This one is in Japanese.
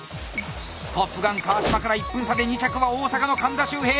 トップガン川島から１分差で２着は大阪の神田修平。